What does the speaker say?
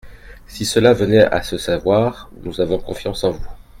Si cela venait à se savoir ? Nous avons confiance en vous.